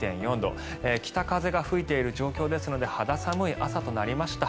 北風が吹いている状況ですので肌寒い朝となりました。